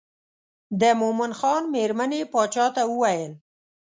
د مومن خان مېرمنې باچا ته وویل.